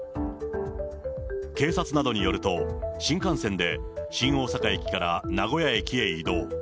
警察などによると、新幹線で新大阪駅から名古屋駅へ移動。